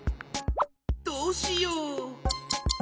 どうしよう？